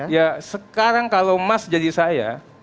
ya sekarang kalau mas jadi saya